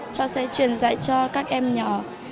cháu sẽ truyền dạy cho các em nhỏ